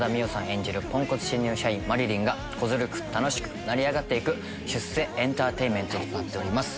演じるポンコツ新入社員麻理鈴が小ずるく楽しく成り上がって行く出世エンターテインメントとなっております。